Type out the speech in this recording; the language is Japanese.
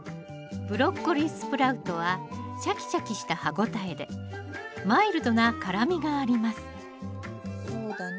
ブロッコリースプラウトはシャキシャキした歯応えでマイルドな辛みがありますそうだな。